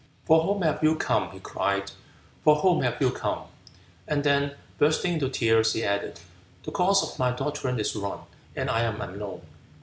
"For whom have you come?" he cried, "for whom have you come?" and then, bursting into tears, he added, "The course of my doctrine is run, and I am unknown."